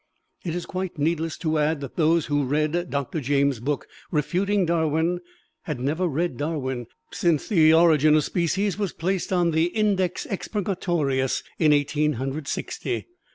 It is quite needless to add that those who read Doctor James' book refuting Darwin had never read Darwin, since "The Origin of Species" was placed on the "Index Expurgatorius" in Eighteen Hundred Sixty.